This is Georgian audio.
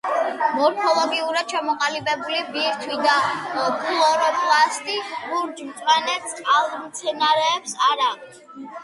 მორფოლოგიურად ჩამოყალიბებული ბირთვი და ქლოროპლასტი ლურჯ-მწვანე წყალმცენარეებს არა აქვთ.